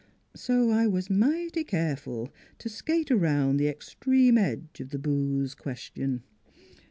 So I was mighty careful to skate around the extreme edge of the booze question.